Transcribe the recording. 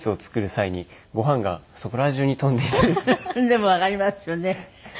でもわかりますよね。